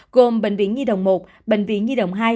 gồm bệnh viện nhi đồng một bệnh viện nhi đồng hai